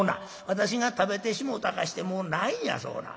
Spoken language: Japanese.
私が食べてしもうたかしてもうないんやそうな。